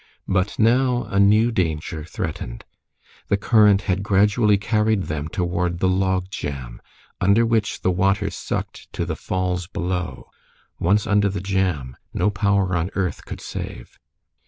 But now a new danger threatened. The current had gradually carried them toward the log jam, under which the water sucked to the falls below. Once under the jam, no power on earth could save.